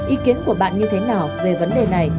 ý kiến của bạn như thế nào về vấn đề này